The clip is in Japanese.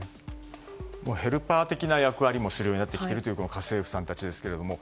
ヘルパー的な役割もするようになってきているという家政婦さんたちですけれども。